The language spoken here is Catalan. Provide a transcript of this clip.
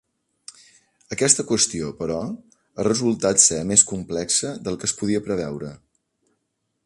Aquesta qüestió, però, ha resultat ser més complexa del que es podia preveure.